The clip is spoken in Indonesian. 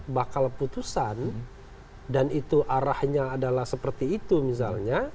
bakal putusan dan itu arahnya adalah seperti itu misalnya